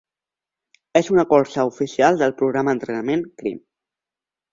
És una cursa oficial del programa d'entrenament Crim.